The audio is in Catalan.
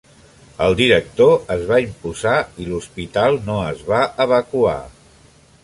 El director es va imposar i l'Hospital no es va evacuar.